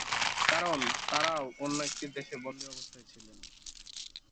কারণ তারাও অন্য একটি দেশে বন্দী অবস্থায় ছিলেন।